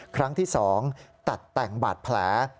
ครั้งที่๒ตัดแต่งบาดแผล